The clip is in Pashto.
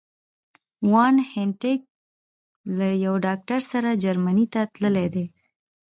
وان هینټیګ له یو ډاکټر سره جرمني ته تللي دي.